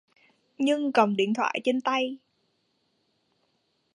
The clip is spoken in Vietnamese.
Nhưng cầm điện thoại trên tay